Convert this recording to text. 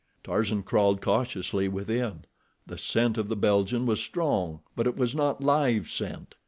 Tarzan crawled cautiously within—the scent of the Belgian was strong; but it was not live scent.